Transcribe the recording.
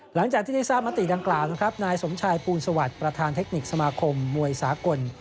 หลังจากที่ได้ทราบมติดังกล่าวนะครับนายสมชายภูลสวัสดิ์ประธานเทคนิคสมาคมมวยสากล